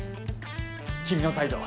君の態度